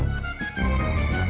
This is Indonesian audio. pasti dia datang